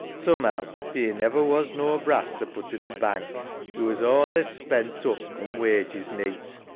Soom'ow theer never was no brass to put in th' bank. We was allays spent oop coom wages neeght.